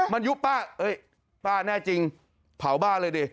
มันยุป้าป้าแน่จริงเผาบ้านเลยดิ